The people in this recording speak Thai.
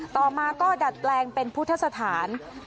ต่อมาก็ดัดแปลงเป็นพุทธสถาน